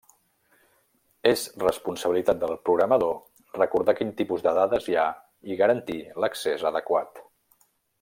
És responsabilitat del programador recordar quin tipus de dades hi ha i garantir l'accés adequat.